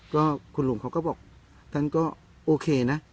ก็คุณลุงเขาก็บอกท่านก็โอเคนะ